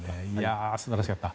素晴らしかった。